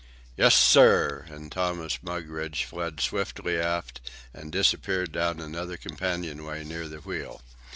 "Yes, sir;" and Thomas Mugridge fled swiftly aft and disappeared down another companion way near the wheel.